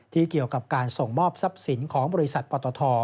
เกี่ยวกับการส่งมอบทรัพย์สินของบริษัทปตท